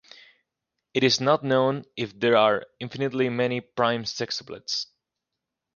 It is not known if there are infinitely many prime sextuplets.